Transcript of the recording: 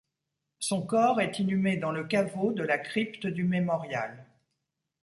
Son corps est inhumé dans le caveau de la crypte du mémorial.